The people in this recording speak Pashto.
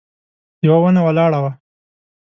يوه ونه ولاړه وه.